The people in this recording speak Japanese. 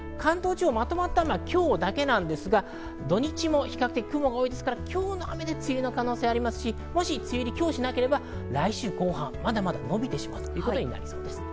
関東地方の雨、まとまった所は今日だけなんですが、土日も比較的雲が多いので、今日の雨で梅雨入りの可能性もありますし、今日しなければ来週後半、まだまだのびてしまうことになりそうです。